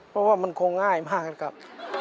เพราะว่ามันคงง่ายมากนะครับ